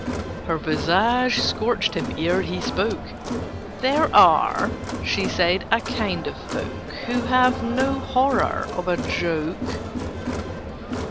Her visage scorched him ere she spoke: "There are," she said, "a kind of folk Who have no horror of a joke.